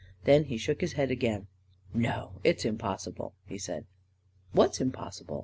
Then he shook his head again. " No; it's impossible," he said. " What's impossible